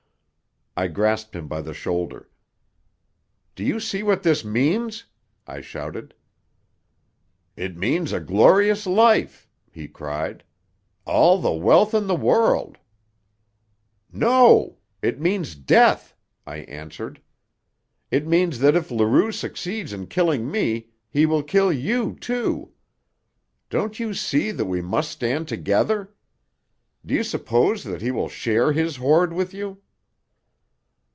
I grasped him by the shoulder. "Do you see what this means?" I shouted. "It means a glorious life!" he cried. "All the wealth in the world " "No, it means death!" I answered. "It means that if Leroux succeeds in killing me, he will kill you, too! Don't you see that we must stand together? Do you suppose that he will share his hoard with you?"